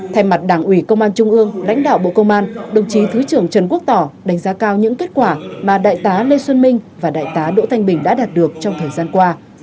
thay mặt đảng ủy công an trung ương lãnh đạo bộ công an đồng chí thứ trưởng trần quốc tỏ đánh giá cao những kết quả mà đại tá lê xuân minh và đại tá đỗ thanh bình đã đạt được trong thời gian qua